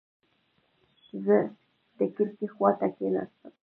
زه د کړکۍ خواته کېناستم.